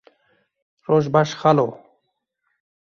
Roj baş xalo.